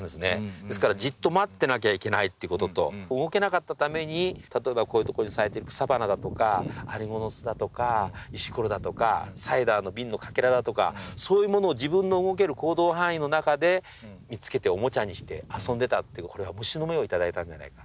ですからじっと待ってなきゃいけないってことと動けなかったために例えばこういうところに咲いてる草花だとかアリの巣だとか石ころだとかサイダーの瓶のかけらだとかそういうものを自分の動ける行動範囲の中で見つけておもちゃにして遊んでたっていうこれは虫の目を頂いたんじゃないか。